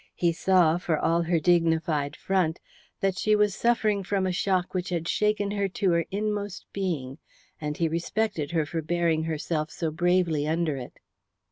He saw, for all her dignified front, that she was suffering from a shock which had shaken her to her inmost being, and he respected her for bearing herself so bravely under it.